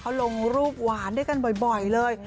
เขาลงรูปหวานด้วยกันบ่อยเลย